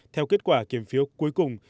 theo kết quả kiểm phiếu cuối cùng